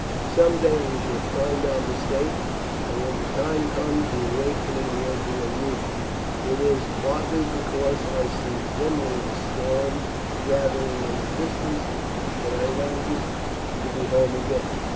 Some day we shall find our mistake, and when the time comes the awakening will be a rude one. It is partly because I see dimly the storm gathering in the distance that I long to be home again.